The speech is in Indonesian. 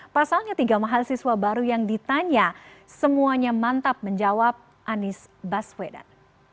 pasalnya tiga mahasiswa baru yang ditanya semuanya mantap menjawab anies baswedan